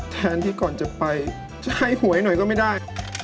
แทนที่ก่อนจะไปจะให้หวยหน่อยก็ไม่ได้